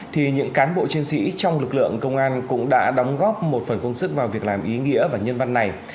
thì những cán bộ chiến sĩ trong lực lượng công an cũng đã đóng góp một phần công sức vào việc làm ý nghĩa và nhân văn này